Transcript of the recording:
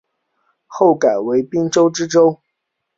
后改为滨州知州。